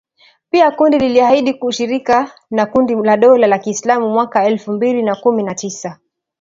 Pia kundi liliahidi ushirika na kundi la dola ya Kiislamu mwaka elfu mbili na kumi na tisa